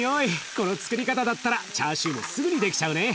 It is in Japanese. このつくり方だったらチャーシューもすぐに出来ちゃうね。